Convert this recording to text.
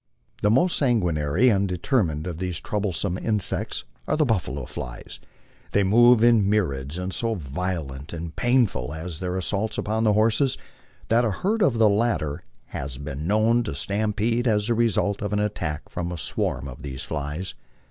The most sanguinary and de termined of these troublesome insects are the " buffalo flies" ; they move in my riads, and so violent and painful are their assaults upon horses that a herd of the latter has been known to stampede as the result of an attack from a swarm of these flies.